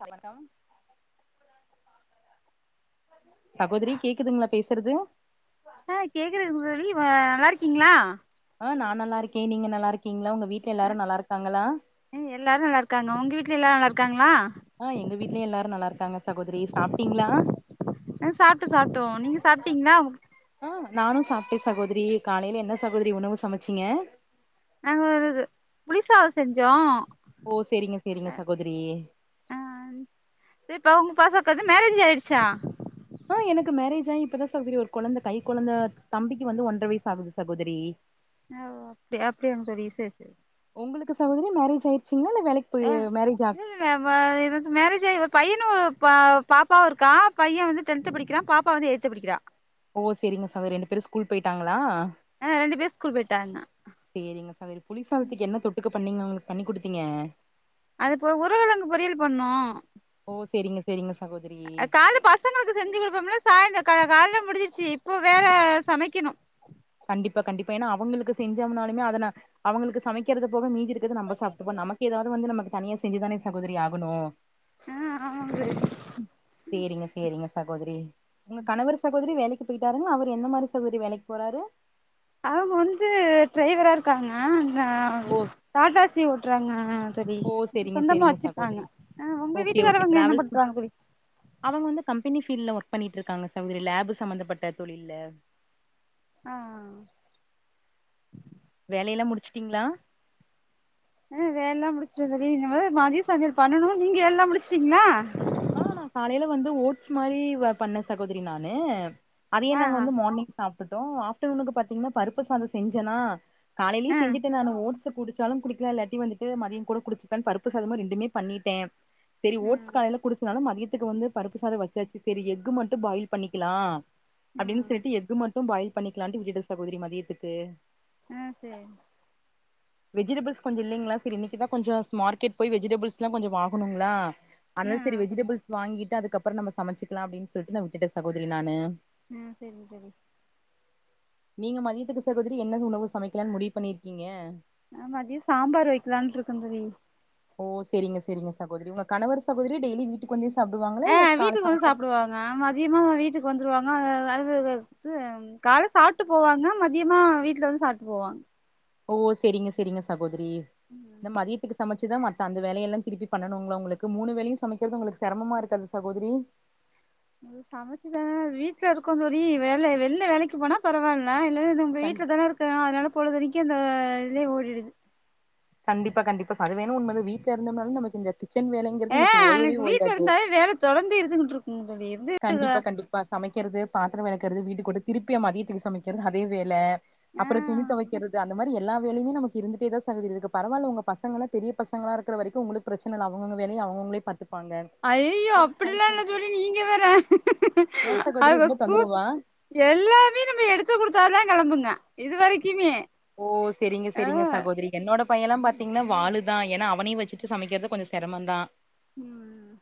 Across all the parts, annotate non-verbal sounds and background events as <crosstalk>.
வணக்கம் சகோதரி கேக்குதுங்ளா பேசறது ஆ கேக்குதுங் தோழி நல்லா இருக்கீங்ளா ஆ நா நல்லாருக்கேன் நீங்க நல்லா இருக்கீங்ளா உங்க வீட்ல எல்லாரு நல்லா இருக்காங்ளா ம் எல்லாரு நல்லா இருக்காங்க உங்க வீட்ல எல்லா நல்லாருக்காங்ளா ஆ எங்க வீட்லயு எல்லாரு நல்லா இருக்காங்க சகோதரி சாப்ட்டீங்ளா ஆ சாப்ட்டோ சாப்ட்டோ நீங்க சாப்ட்டீங்ளா ஆ நானு சாப்ட்டன் சகோதரி காலைல என்ன சகோதரி உணவு சமச்சீங்க நாங்க புளிசாதோ செஞ்சோ ஓ சேரிங்க சேரிங்க ஆ சகோதரி ஆ சரி இப்ப உங்க <unintelligible> வந்து மேரேஜ் ஆயிருச்சா ஆ எனக்கு மேரேஜ் ஆயி இப்பதா சகோதரி ஒரு கொழந்த கை கொழந்த தம்பிக்கு வந்து ஒன்ற வயசு ஆகுது சகோதரி அ ஒ அப்டி அப்டியாங் தோழி சேரி சேரி உங்களுக்கு சகோதரி மேரேஜ் ஆயிருச்சுங்ளா இல்ல வேலைக்கு போய் ஆ மேரேஜ் ஆ இல்ல மே அதாவது மேரேஜ் ஆயி ஒரு பையனுபா பாப்பாவு இருக்கா பையன் வந்து டென்த் படிக்கிறான் பா ப்பா வந்து எய்த்து படிக்கிறா ஓ சேரிங்க சகோதரி ரெண்டு பேரு ஸ்கூல் போயிட்டாங்ளா எ ரெண்டு பேர் ஸ்கூல் போயிட்டாங்க சேரிங்க சகோதரி புலிசாதத்துக்கு என்ன தொட்டுக்க பண்ணீங்க அவுங்களுக்கு பண்ணி குடுத்தீங்க அது போ உருளகிழங்கு பொரியல் பண்ணோ ஓ சேரிங்க சேரிங்க சகோதரி கால்ல பஸ் பசங்களுக்கு செஞ்சு குடுப்பம்ல்ல சாயந்தோகா கால்ல முடிஞ்சிருச்சு இப்போ வேற சமைக்கணு கண்டிப்பா கண்டிப்பா ஏனா அவுங்களுக்கு செஞ்சம்னாலுமே அத நா அவுங்களுக்கு சமைக்கிறது போக மீதி இரு க்கத நம்ம சாப்ட்டுபோ நமக்கு எதாவது வந்து நமக்கு தனியா செஞ்சுதானே சகோதரி ஆகணு ஆ ஆமாம்பே சேரிங்க சேரிங்க சகோதரி உங்க கணவர் சகோதரி வேலைக்கு போயிட்டாருங்ளா அவரு எந்த மாரி சகோதரி வேலைக்கி போறாரு அவங்க வந்து டிரைவரா இருக் காங்க ஓ டாட்டா ஏசி ஓட்டுறாங்க பவி ஓ செரிங்க சொந்தமா செரிங்க வச்சிருக்காங்க சகோதரி அ உங்க ஓகே ஓகே வீட்டுக்காரவங்க என்ன டிராவல்ஸ் பண்றாங்க பவி அவங்க வந்து கம்பெனி ஃபீல்ல ஒர்க் பண்ணிட்டு இருக்காங்க சகோதரி லேப் சம்பந்தப்பட்ட தொழில்ல ஆ ஆ வேலையெல்லா முடிச்சிட்டீங்ளா ஆ வேலல்லா முடிச்டே <unintelligible> இனிமே தா மதிய சமையல் பண்ணனு நீங்க எல்லா முடிச்டீங்ளா ஆ நா காலையில வந்து ஓட்ஸ் மாரி பண்ணே சகோதரி நானு அதையே ஆ நாங்க ஆ வந்து மார்னிங் சாப்ட்டுட்டோ ஆஃப்டனூக்கு பாத்தீங்கன்னா பருப்பு சாதம் செஞ்சேனா காலைலே ஆ செஞ்சுட்டே நானு ஓட்ஸ் ச குடிச்சாலு குடிக்கலா இல்லாட்டி வந்துட்டு மதியம் கூட குடிச்சுக்ளானு பருப்பு சாதமு ரெண்டுமே பண்ணிட்டே செரி ஓட்ஸ் ம் காலைல்ல குடிச்சனாலு மதியத்துக்கு வந்து பருப்பு சாதம் வச்சாச்சு செரி எஃகு மட்டு பாயில் பண்ணிக்லா அப்டின்னு ம் சொல்லிட்டு எஃகு மட்டு பாயில் பண்ணிக்லானு விட்டுடே சகோதரி மதியத்துக்கு ம் சேரி வெஜிடபிள்ஸ் கொஞ்சோ இல்லைங்ளா செரி இன்னைக்கிதா கொஞ்சோ ஸ் மார்க்கெட் போயி வெஜிடபிள்ஸ்ல்லா கொஞ்சோ வாங்கணுங்ளா ஆ அதா செரி வெஜிடபிள்ஸ் வாங்கி கிட்டு அதுக்கப்றோ நம்ம சமைச்சிக்கலா அப்டின்னு சொல்லிட்டு நா விட்டே சகோதரி நானு ம் செரி செரி நீங்க மதியத்துக்கு சகோதரி என்ன உணவு சமைக்கலானு முடிவு பண்ணியிருக்கீங்க நா மதியோ சாம்பார் வைக்கலான்ட்டுருக்கே தோழி ஓ செரிங்க செரி சகோதரி உங்க கணவர் சகோதரி டெய்லி வீட்டுக்கு வந்தே சாப் ஆ வீட்டுக்கு வந்து சாப்டுவாங்க மதியமே ஊ வீட்டுக்கு வந்துருவாங்க அது வே வே விட்டு கால்ல சாப்ட்டு போவாங்க மதியமா வீட்ல வந்து சாப்ட்டு போவாங்க ஓ செரிங்க செரிங்க சகோதரி இந்த மதியத்துக்கு நம்ம சிதம் அதத்தா இந்த வேலைல திருப்பி பண்ணணுங்ளா உங்களுக்கு மூணு வேலையு சமைக்கிறது உளுக்கு செரமமா இருக்காது சகோதரி அது சமைச்சுதானே வீட்ல இருக்க தோழி வேல வெளில வேலைக்கு போனா பரவாயில்ல இல்ல என்ன இப்ப கண் வீட்ல தானே இருக்க அதனால பொழுதனைக்கு அந்த இதுலே ஓடிடுது கண்டிப்பா கண்டிப்பா ச அது வேணா உண்ம தா வீட்ல இருந்தோம்னாலே நக்கு இந்த கிச்சன் வேலை ஏ அன்னைக்கி வீட்ல இருந்தவே வேல தொடர்ந்து இருந்தூக்கிட்டுருக்கு வேலை தொடர்ந்து இருதுகிட்டு இருக்குங்க தோழி இருந்து கண்டிப்பா கண்டிப்பா சமைக்கிறது பாத்திர வெளக்றது வீடு கூட்டு திருப்பிய மதியத்க்கு சமைக்கிறது அதே வேல ஆ அப்பற துணி துவைக்கிறது அந்த மாரி எல்லா வேலையுமே நமக்கு இருட்டே தா சகோதரி இருக்கு பரவால உங்க பசங்கங்களா பெரிய பசங்கள இருக்கிற வரைக்கு உங்களுக் பிரச்சன இல்ல அவுங்க வேலைய அவங்கங்களே பாத்துப்பாங்க ஐய்யய்யோ இது அப்டிலா கை- இல்ல தோழி நீங்க வேற ஏன் சகோதரி அவ ரொம்ப ஸ்கூ தொந்தரவா எல்லாமே நம்ம எடுத்து குடுத்தாத தா கிளம்புங்க இது வரைக்குமே ஓ செரிங்க ஆ செரிங்க சாகோதரி என்னோட பையன்லா பாத்தீங்கன்னா வாலுதா ஏன்னா அவனையு வச்சுட்டு சமைக்கிறது கொஞ்சோ சிரமம் தா ம் ஆ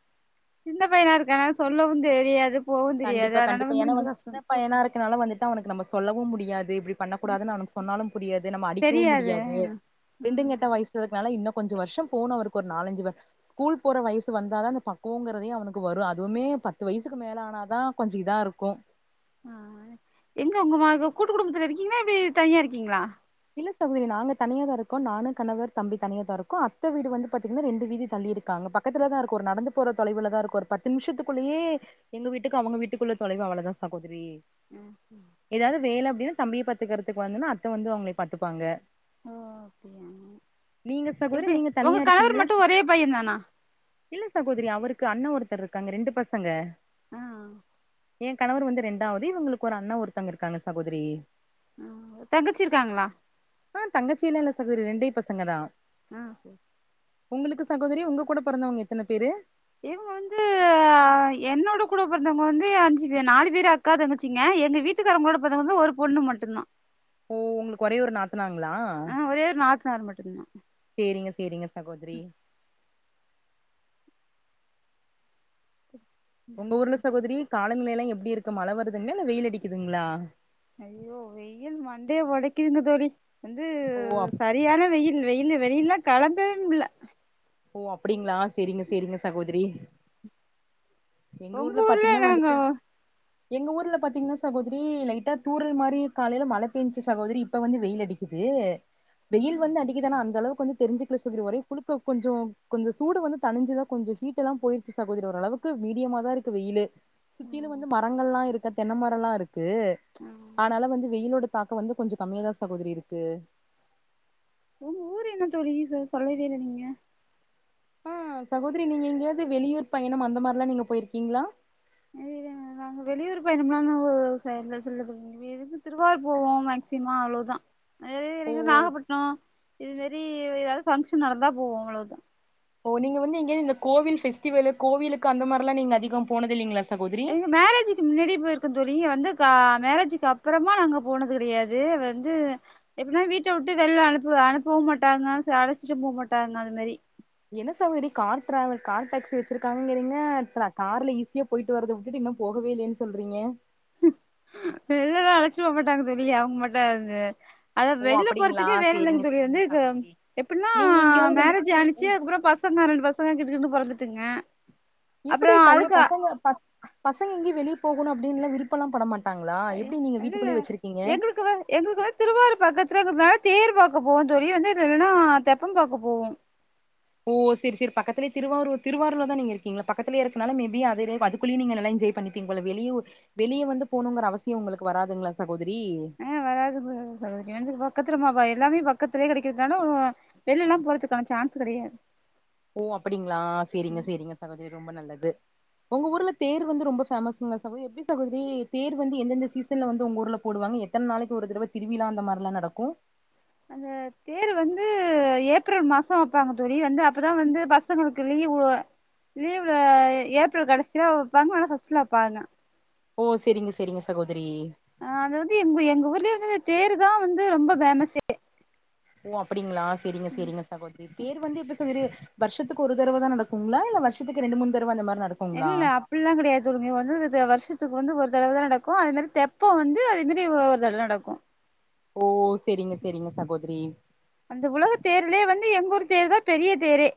சின்ன பையனா இருக்கானா சொல்லவு தெரியாது எதுக் கண்டிப்பா கண்டிப்பா ஏனா வந்து சின்னப்பா இருக்கனால வந்துட்டு அவனுக்கு நம்ம சொல்லவு முடியாது இப்டி பண்ணக்கூடாது அவனுக்கு சொன்னாலு புரியாது நம்ம அடிக்கவு தெரியாது முடியாது ரெண்டு ம் கெட்டா வயசு க்குனால இன்னு கொஞ்சோ வர்ஷோ போனு ஒரு நாலஞ்சு வர் ஸ்கூல் போற வயசு வந்தாதா அந்த பக்குவங்கறதே அவனுக்கு வரு அதுவுமே பத்து வயசுக்கு மேல ஆன நா கொஞ்சு இதா இருக்கு ஆ எங்க உங்க கூட்டு குடும்பத்துல இருக்கீங்களா எப்பிடி தனியா இருக்கீங்களா இல்ல சகுதிரி நாங்க தனியா தா இருக்கோ நானு கணவர் தம்பி தனிய தா இருக்கோ அத்தை வீடு வந்து பாத்தீங்கன்னா ரெண்டு வீதி தள்ளிருக்காங்க பக்கத்துல தா இருக்கு ஒரு நடந்து போற தொலைவுல தா இருக்கு ஒரு பத்து நிமிஷத்துக்குள்ளயே எங்க வீட்டுக்கு அவங்க வீட்டுக்குள்ள தொலைவு அவ்வளவுதா சகோதரி உம் ஏதாவது வேலை அப்படின்னா தம்பியை பத்துக்கறிறதுக்கு வந்துன்னா அத்தை வந்து அவங்கள பாத்துப்பாங்க ஓ அப்டியா நீங்க சகோதரி எப்டி நீங்க உங்க தனியா கணவர் இருக்கீங்களா மட்டு ஒரே பையன் தானா இல்ல சகோதரி அவருக்கு அண்ண ஒருத்தர் இருக்காங்க ரெண்டு பசங்க எ கணவர் வந்து ரெண்டாவது இவங்களுக்கு ஒரு அண்ணா ஒருத்தங்க இருக்காங்க சகோதரி ஆ தங்கச்சிருக்காங்களா ஆ தங்கச்சில்லா இல்ல சகோதரி ரெண்டே பசங்க தா ஆ சரி உங்களுக்கு சகோதரி உங்க கூட பெறந்தவங்க எத்தன பேரு இவங்க வந்து து என்னோட கூட பிறந்தவங்க வந்து அஞ்சு பே நாலு பேரு அக்கா தங்கச்சிங்க எங்க வீட்டு வீட்டுகாரங்களோட பொறந்தது ஒரு பொண்ணு மட்டு தா ஓ உங்களுக்கு ஒரே ஒரு நாத்தனாருங்களா ஆ ஒரே ஒரு நாத்தனார் மட்டுந்தா செரிங்க செரிங்க சகோதரி உங்க ஊர்ல சகோதரி கால நிலையல்ல எப்படி இருக்கு மழை வருதுங்களா இல்ல வெயில் அடிக்குதுங்களா ஐயோ வெயில் மண்டைய ஒடைக்குதுங்க தோழி வந்து ஓ சரி அப் சரியான வெயில் வெயில் வெளியில்லல்லா கெளம்பவே முடில்ல ஓ அப்படிங்களா செரிங்க செரிங்க சகோதரி எங்க உங்க ஊர்ல பாத்தீங்கன்னா நாங்க வந்துட்டு எங்க ஊர்ல பாத்தீங்கன்னா சகோதரி லைட்டா தூரல் மாரி காலையில மழை பெஞ்சுச்சு சகோதரி இப்ப வந்து வெயில் அடிக்குது வெயில் வந்து அடிக்கு தான அந்தளவுக்கு வந்து தெரிஞ்சக்கல தோளி ஒரே புழுக்க கொஞ்சு கொஞ்சு சூடு வந்து தணிஞ்சுதா கொஞ்சு ஈட்டெல்லா போயிருச்சு சகோதரி ஓரளவுக்கு மீடியமா தா இருக்கு வெயிலு சுத்திலு வந்து மரங்கள் எல்லாம் இருக்க தென்னை மரோ எல்லாம் இருக்கு அதனால வந்து வெயிலோட தாக்கோ வந்து கொஞ்சு கம்மியாதா சகோதரி இருக்கு உங்க ஊர் என்ன தோழி இ சொல்லவே இல்ல நீங்க ஆ சகோதரி நீங்க எங்கேயாவது வெளியூர் பயணம் அந்த மாரி எல்லா நீங்க போயிருக்கீங்களா <unintelligible> நாங்க வெளியூர் பயிணமெல்லா நாங்க செ சென்றதில்ல இங்கிருந்து திருவாரூர் போவோ மேக்சிமம் அவ்வளவுதா ஓ <unintelligible> நாகப்பட்டினம் இது மேரி ஏதாவது பங்க்ஷன் நடந்தா போவோ அவ்வளோதா ஓ நீங்க வந்து எங்கேயாவது இந்த கோவில் ஃபேஸ்டிவல்லு கோவிலுக்கு அந்த மாரில்லா நீங்க அதிகோ போனது இல்லீங்களா எங்க மேரேஜ்ஜு கு முன்னாடி போயிருக்க தோழி வந்து க மேரேஜுக்கு அப்புறமா நாங்க போனது கிடையாது வந்து எப்படின்னா வீட்டை விட்டு வெளில அனுப்பு அனுப்பவும் மாட்டாங்க அழைச்சுட்டு போக மாட்டாங்க அது மாரி என்ன சகோதரி கார் டிராவல் கார் டாக்ஸி வச்சிருக்காங்கிறீங்க கார்ல ஈஸியா போயிட்டு வறத விட்டுட்டு இன்னு போகவே இல்லைன்னு சொல்றீங்க வெளிளெல்லா அழச்சுட்டு போ மாட்டாங்க தோழி அவங்களோட அந்த அத ஓ வெளில அப்டிங்களா போறதுக்கே வேலை இல்லங்க சேரிங்க தோழி சேரிங்க வந்து சகோதரி எப்படின்னா நீங்க எங்கேயாவது மேரேஜ் வந்துட்டு ஆணிச்சு அதுப்புறோ பஸ் பசங்க ரெண்டு பசங்க கிடுகிடுன்னு பொறந்துட்டுங்க எப்படி அப்பறோ கல்ய அதுக்கு பசங்க ப பசங்க எங்கியு வெளியே போகணும் அப்படின்னுல்லா விருப்பலா படமாட்டங்களா அ இல் <inaudible> எங்குளுக்கு வ எங்குளுக்கு வ திருவாரூர் பக்கத்துலே இருக்குறதுனால தேர் பாக்க போவோ தோழி வந்து இது இல்லனா தெப்பம் பாக்க போவோ ஓ சேர் சேரி பக்கத்துலே திருவாரூர் திருவாரூர்ல தா நீங்க இருக்கீங்ளா பக்கத்துலே இருக்கனால மே பி அது இதையு பாத் குள்ளியே நீங்க நல்லா என்ஜாய் பண்ணிப்பீங் போல வெளியூர் வெளிய வந்து போணுங்கற அவசியோ உங்களுக்கு வராதுங்ள சகோதரி ஆ வராது <inaudible> சகோதரி வந்து பக்கத்துல மப எல்லாமே பக்கத்துலே கெடைக்றதுதுனால ஆ வெள்லலா போறத்துக்கான சான்ஸ் கெடையா ஓ அப்டிங்களா சேரிங்க சேரிங்க சகோதரி ரொம்ப நல்லது உங்க ஊர்ல தேர் வந்து ரொம்ப பேமஸுங்க சகோதரி எப்டி சகோதரி தேர் வந்து எந்தெந்த சீசன்ல வந்து ஒங்க ஊர்ல போடுவாங்க ஏ எத்தன நாளைக்கு ஒரு தரவ திருவிழா அந்த மார்லா நடக்கு அது தேரு வந்து ஏப்ரல் மாசோ வப்பாங்க தோழி வந்து அப்பதா வந்து பசங்களுக்கு லீவு லீவு ஏப்ரல் கடைசியா வைப்பாங்க வேணா ஃபஸ்ட்ல வைப்பாங்க ஓ செரிங்க செரிங்க சகோதரி அ அது வந்து எங்க எங்க ஊர்லே வந்து அந்த தேரு தா வந்து ரொம்ப ஃபேமசே ஓ அப்டிங்ளா செரிங்க செரிங்க சகோதரி தேர் வந்து எப்ப சகோதரி வர்ஷத்துக்கு ஒரு தரவ தா நடக்குங்களா இல்ல வர்ஷத்துக்கு ரெண்டு மூணு தரவ அந்த மாரி நடக்கு இல்லப் பில்லா கெடையாது தோ இ வந்து வர்ஷத்துக்கு வந்து ஒரு தரவ தா நடக்கு அது மாரி தெப்போ வந்து அதே மாரி ஒரு தரவ தா நடக்கு ஓ செரிங்க செரிங்க சகோதரி அந்த உலக தேர்லே வந்து எங்கூரு தேர்தா பெரிய தேரே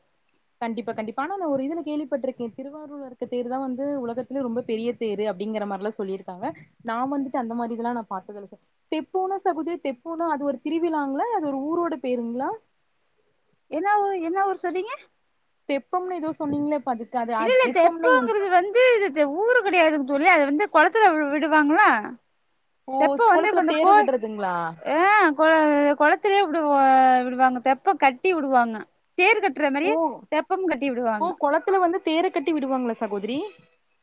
கண்டிப்பா கண்டிப்பா ஆனா நா ஒரு இதுல கேள்விப்பட்ருக்கே திருவாரூர்ல இருக்க தேர் தா வந்து உலகத்துல ரொம்ப பெரிய தேரு அப்டிங்ற மாரிலா சொல்லிருக்காங்க நா வந்துட்டு அந்த மாதிரி இதல்லா நா பாத் தெப்போனா சகோதரி தெப்போனா அது ஒரு திருவிழாங்களா அது ஒரு ஊரோட பேருங்களா என்னா ஊ என்னா ஊர் சொன்னிங்க தெப்பம்னு எதோ சொன்னிங்ளே பா இல்ல இல்ல தெப்போங்கறது வந்து இது த ஊரு கெடையாதுங் தோழி அது வந்து கொளத்துல விடுவாங்கல ஓ கொளத்துல தேரு விட்றதுங்ளா அ கொள கொளத்துலே விடு விடுவாங்க தெப்போ கட்டி விடுவாங்க தேரு கட் விட்ற மாரி தெப்பமு கட்டி விடுவாங்க கொளத்துல வந்து தேர கட்டி விடுவாங்களா சகோதரி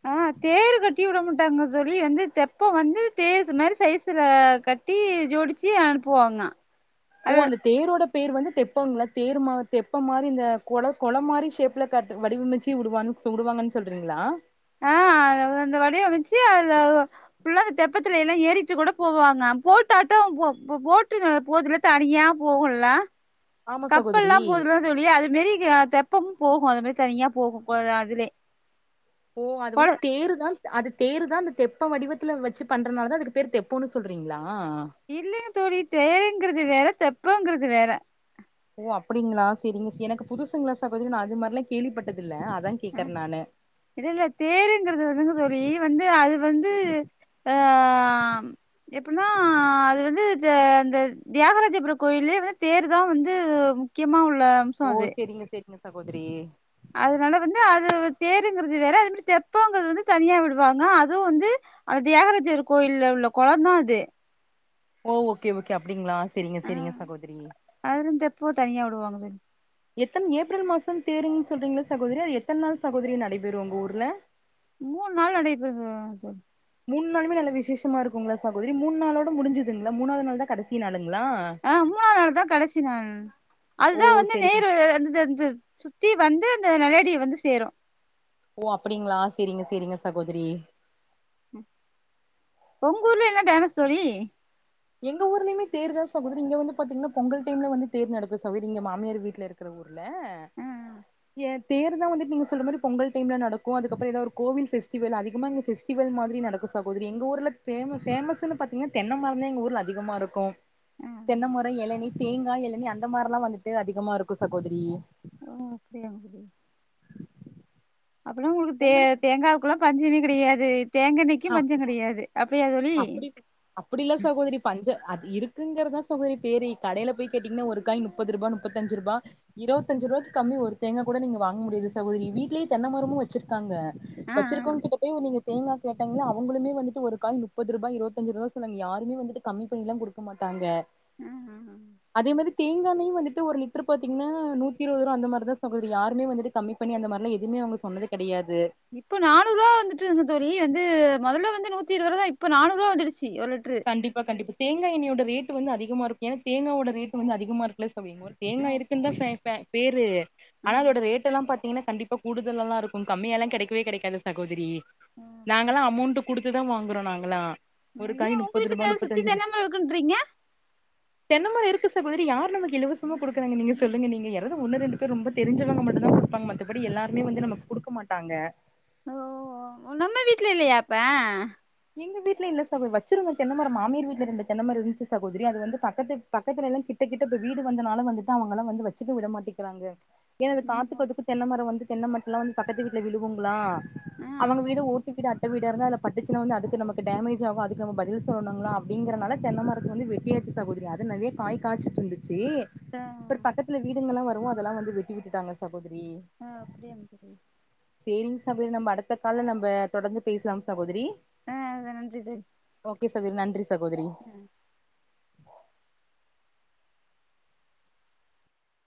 அ தேரு கட்டி விட மாட்டாங்க தோழி இது வந்து தெப்போ வந்து தேசு மாரி சைசுல கட்டி ட்டி ஜோடிச்சு அனுப்புவாங்க ஓ அது அந்த தேரோட பேர் வந்து தெப்போங்கலா தேர் மா தெப்போ மாரி இந்த கொல கொல மாரி ஷேப் <inaudible> காட்டு வடிவமைச்சு உடுவாங்கன் உடுவாங்கன் சொல்றீங்களா ஆ அத அந்த வடிவமைச்சு அத ஃபுல்லா அந்த தெப்பத்துல எல்லா ஏறிட்டு கூட போவாங்க போட்டாட்டோ போ போ போட்டு போதுல தனியா போகுல்ல ஆமா கப்பல்லா சகோதரி போதுல தோழி அது மேரி இக தெப்பம் போகு அது மாரி தனியா போகு போ அதுலே ஓ அது கொட வந்து தேருதா அது தேரு தா அந்த தெப்ப வடிவத்துல வச்சு பண்றனாலதா அதுக்கு பேரு தெப்போன்னு சொல்றிங்களா இல்லைங்க தோழி தேருங்குறது வேற தெப்பங்குறது வேற ஓ அப்டிங்ளா செரிங்க எனக்கு புதுசுங்ளா சகோதரி நா அது மார்லா கேள்விப்பட்டதில்ல அதா கேக்குறே நானு இது இல்ல தேருங்குறது வந்துங்க தோழி வந்து அது வந்து ஆ எப்புன்னா அது வந்து இந்த அந்த தியாகராஜபுரம் கோயில்லே வந்து தேர் தா வந்து முக்கியமா உள்ள ஓ அது சேரிங்க சேரிங்க சகோதரி அதனால வந்து அது தேருங்கிறது வேற அது மாரி தெப்போங்றது வந்து தனியா விடுவாங்க அதுவு வந்து அந்த தியாகராஜர் கோயில்ல உள்ள கொளம்தா அது ஓ ஓகே ஓகே அப்டிங்களா சேரிங்க சேரிங்க சகோதரி அதுல இருந்து தெப்போ தனியா விடுவாங்க எத்தன ஏப்ரல் மாசம் தேருங்னு சொல்றீங்ல சகோதரி அது எத்தன நாள் சகோதரி நடைபெறு உங்க ஊர்ல மூணு நாள் நடைப்பெறுது தோழி மூணு நாளுமே நல்ல விசேஷமா இருக்குங்களா சகோதரி மூணு நாளோட முடிஞ்துங்களா மூணாவதுநாள்தா கடைசி நாளுங்களா ஆ மூணாநாளுதா கடைசி நாள் ஓ அதுதா வந்து செரிங்க தேரு அந்தந்த அது சுத்தி வந்து அந்த நெலையடிய வந்து சேரு ஓ அப்டிங்களா சேரிங்க சேரிங்க சகோதரி ஒங்வூர்ல என்ன ஃபேமஸ் தோழி எங்க ஊர்லயுமே தேர்தா சகோதரி இங்க வந்து பாத்தீங்னா பொங்கல் டைம்ல வந்து தேர் நடக்கு சகோதரி இங்க மாமியார் வீட்ல இருக்ற ஊ ர்ல ஆ ஏ தேர்தா வந்துட்டு நீங்க சொல்றமாரி பொங்கல் டைம்ல நடக்கு அதுக்கப்றோ எதா ஒரு கோவில் ஃபெஸ்டிவல் அதிகமா இங்க ஃபெஸ் டிவல் மாரி நடக்கு சகோதரி எங்க ஊர்ல ஃபேம ஃபேமஸ்னு பாத்திங்கனா தென்ன மரம்ந்தா எங்க ஊர் கள் அதிகமா இருக்கு ஆ தென்னைமர எளநீ தேங்கா எளநீ அந்த மாரிலா வந்துட்டு அதிகமா இருக்கு சகோதரி ஓ அப்டியாங்க தோழி அப்பல்லா உங்களுக்கு தே தேங்காவுக்குல்லா பஞ்சமே கெடையாது தேங்காண்ணய்க்கு ஆ பஞ்சம் கிடையாது அப்டியா தோழி அப்டி இல்லா சகோதரி பஞ்ச அது இருக்குங்றதுதா சகோதரி பேரு கடைல போய் கேட்டீங்கன்னா ஒருக்காய் முப் முப்பதுரூபா முப்பத்தஞ்சு ரூபா இருபத்தஞ்சு ரூவாய்க்கு கம்மியா ஒரு தேங்கா கூட நீங்க வாங்க முடியாது சகோதரி வீட்லேயே தென்ன மரமு வச்சிருக்காங்க ஆ வச்சிருக்கவங்க கிட்ட போய் நீங்க தேங்கா கேட்டங்களே அவங்களுமே வந்துட்டு ஒரு காய் முப்பது ரூபா இருத்தஞ்சு ரூபா சொல்லாங்க யாருமே வந்துட்டு கம்மி பண்ணிலா குடுக்க மாட்டாங்க ஆ ஆ ஆ அதே மாரி தேங்கா எண்ணெயு வந்துட்டு ஒரு லிட்டர்ரு பாத்தீங்கனா நூத்தி இருவது ரூபா அந்த மாரிதா சகோதரி யாருமே வந்துட்டு கம்மி பண்ணி அந்த மாரிலா எதுவுமே அவங்க சொன்னது கடையாது இப்ப நானூறுரூவா வந்துட்டுங்க தோழி வந்து மொதல்ல வந்து நூத்தி இருவதுரூவாதா இப்ப நானூரூபா வந்துடுச்சு ஒரு லிட்டரு கண்டிப்பா கண்டிப்பா தேங்கா எண்ணெயோட ரேட்டு வந்து அதிகமா இருக்கு ஏன்னா தேங்காயோட ரேட்டு வந்து அதிகமா இருக்குல சகோதரி ஆ தேங்கா இருக்குன்னுதா சமைப்ப பேரு ஆ ஆனா அதோட ரேட் எல்லா பாத்தீங்னா கண்டிப் பா கூடுதல்லாதா இருக்கு கம்மியால்லா கெடைக்கவே கெடைக்காது சகோதரி நாங்கல்லா அமோண்ட் குடுத்துதா வாங்குறோ நாங்கல்லா ஒரு ம் ஏ காய் உங்க முப்பது வீட்ல ரூபா தே சுத்தி முப்பத்தஞ்சு தேங்காமரம் இருக்குன்றிங்க தென்னமரம் இருக்கு சகோதரி யார் நமக்கு இலவசமா குடுக்குறாங்க நீங்க சொல்லங்க நீங்க யாராது ஒன்னு ரெண்டு பேர் ரொம்ப தெரிஞ்சவங்க மட்டும்தா குடுப்பாங்க மத்தபடி எல்லாருமே வந்து நமக்கு குடுக்க மாட்டாங்க ஓ, நம்ம வீட்ல இல்லையா அப்ப எங்க வீட்ல இல்ல சகோ வச்சிருந்தோ தென்னமர மாமியார் வீட்ல ரெண்டு தென்னமரம் இருந்துச்சு சகோதரி அது வந்து பக்கத்து பக்கத்துல எல்லா கிட்ட கிட்ட இப்ப வீடு வந்தனால வந்துட்டு அவங்கல்லா வந்து வச்சுக்க விட மாட்டிங்கிறாங்க என்னா அது ம் காத்துக்கு ஓகே அதுக்கு தென்ன மரம் வந்து தென்ன மட்ட எல்லா வந்து பக்கத்து வீட்ல விழுகுங்களா ஆ அவங்க ஆமா வீடு ஓட்டு வீடு அட்ட வீட இருந்தா அதுல பட்டுச்சு னா வந்து அது நமக்கு டேமேஞ்ச் ஆகு அதுக்கு நம்ம பதில் சொல்லணுங்களா அப்டிங்கறனால தென்ன மரத்த வந்து வெட்டியாச்சு சகோதரி அது நறைய காய் காச்சிட்ருந்துச்சி ஆ அப்ற பக்கத்துல வீடுங்கல்லா வரவு அதெல்லா வந்து வெட்டி விட்டுட்டாங்க சகோதரி ஆ அப்டியாங்க சகோதரி சேரிங் சகோதரி நம்ம அடுத்த கால்ல நம்ப தொடர்ந்து பேச்லாம் சகோதரி அ அத நன்றி சரி ஓகே சகோதரி நன்றி சகோதரி